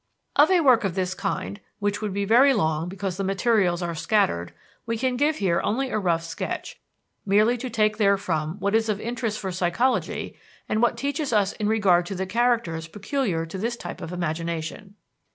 Of a work of this kind, which would be very long because the materials are scattered, we can give here only a rough sketch, merely to take therefrom what is of interest for psychology and what teaches us in regard to the characters peculiar to this type of imagination.